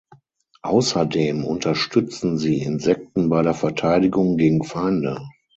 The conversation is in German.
Außerdem unterstützen sie Insekten bei der Verteidigung gegen Feinde.